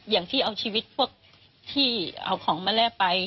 อย่างที่เอาชีวิตพวกที่เอาของมาแล่ไป